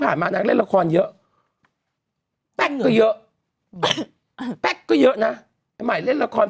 มานางเล่นละครเยอะแป๊กก็เยอะแป๊กก็เยอะนะไอ้ใหม่เล่นละคร